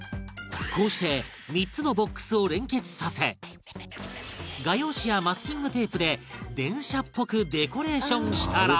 こうして３つのボックスを連結させ画用紙やマスキングテープで電車っぽくデコレーションしたら